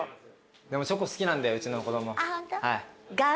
でもチョコ好きなんでうちの子供。